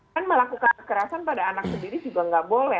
kan melakukan kekerasan pada anak sendiri juga nggak boleh